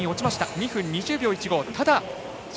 ２分２０秒１５。